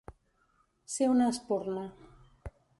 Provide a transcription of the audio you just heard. Ser una espurna.